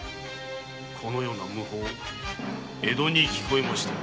このような無法江戸に聞えましては。